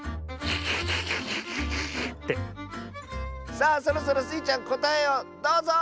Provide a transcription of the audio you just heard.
さあそろそろスイちゃんこたえをどうぞ！